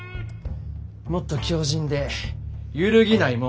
もっと強靱で揺るぎないもん。